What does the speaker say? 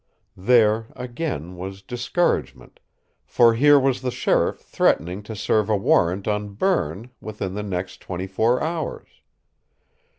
There, again, was discouragement, for here was the sheriff threatening to serve a warrant on Berne within the next twenty four hours!